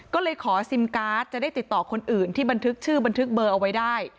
ก็เลยขอซิมการ์ดจะได้ติดต่อคนอื่นที่บันทึกชื่อบันทึกเบอร์เอาไว้ได้